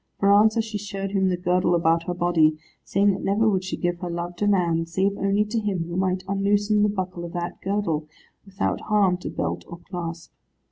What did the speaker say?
For answer she showed him the girdle about her body, saying that never would she give her love to man, save only to him who might unloose the buckle of that girdle, without harm to belt or clasp.